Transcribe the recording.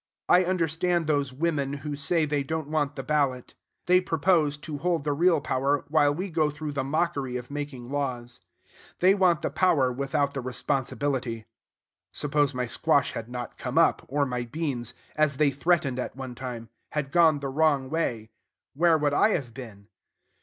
I understand those women who say they don't want the ballot. They purpose to hold the real power while we go through the mockery of making laws. They want the power without the responsibility. (Suppose my squash had not come up, or my beans as they threatened at one time had gone the wrong way: where would I have been?)